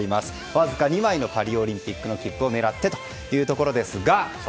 わずか２枚のパリオリンピックの切符を狙ってということですが。